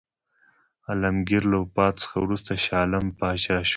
عالمګیر له وفات څخه وروسته شاه عالم پاچا شو.